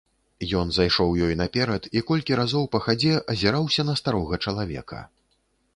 Ён зайшоў ёй наперад і колькі разоў, па хадзе, азіраўся на старога чалавека.